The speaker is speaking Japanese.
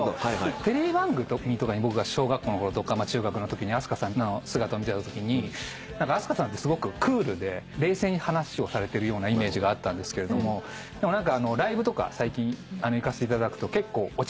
テレビ番組とかに僕が小学校のころとか中学のときにＡＳＫＡさんの姿見てたときにＡＳＫＡさんってすごくクールで冷静に話をされてるようなイメージがあったんですけれどもライブとか最近行かせていただくと結構おちゃらけたり。